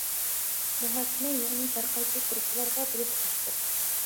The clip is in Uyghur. مۇھاكىمە يىغىنى ھەرقايسى گۇرۇپپىلارغا بۆلۈپ ئاچتۇق.